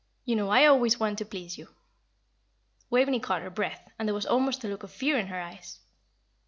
You know I always want to please you.'" Waveney caught her breath, and there was almost a look of fear in her eyes.